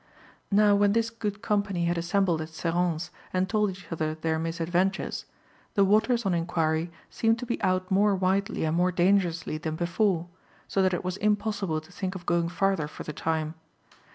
Now when this good company had assembled at Serrance and told each other their misadventures, the waters on inquiry seemed to be out more widely and more dangerously than before, so that it was impossible to think of going farther for the time.